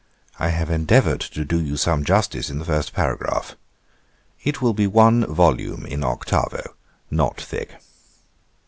I have endeavoured to do you some justice in the first paragraph. It will be one volume in octavo, not thick.